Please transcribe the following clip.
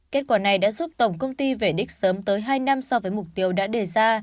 kết quả này đã giúp tổng công ty về đích sớm tới hai năm so với mục tiêu đã đề ra